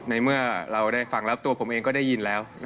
ในเมื่อเราได้ฟังแล้วตัวผมเองก็ได้ยินแล้ว